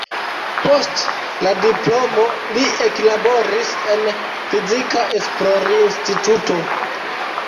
Post la diplomo li eklaboris en fizika esplorinstituto.